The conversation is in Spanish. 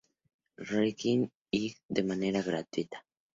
Recording, Inc de manera gratuita.